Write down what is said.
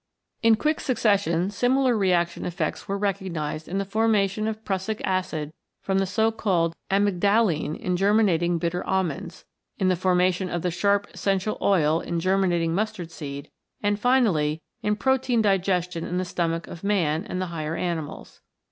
In quick succession similar reaction 85 CHEMICAL PHENOMENA IN LIFE effects were recognised in the formation of prussic acid from the so called amygdaline in germinating bitter almonds, in the formation of the sharp essential oil in germinating mustard seed, and, finally, in protein digestion in the stomach of man and the higher animals.